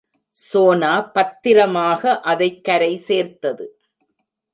சோனா பத்திரமாக அதைக் கரை சேர்த்தது.